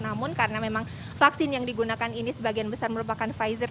namun karena memang vaksin yang digunakan ini sebagian besar merupakan pfizer